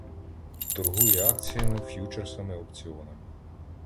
Торгує акціями, ф'ючерсами, опціонами.